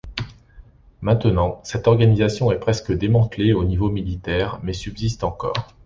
Maintenant, cette organisation est presque démantelée au niveau militaire, mais subsiste encore.